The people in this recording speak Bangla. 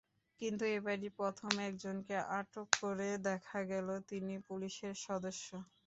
কিন্তু এবারই প্রথম একজনকে আটক করে দেখা গেল তিনি পুলিশের সদস্য।